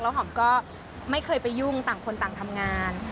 หอมก็ไม่เคยไปยุ่งต่างคนต่างทำงาน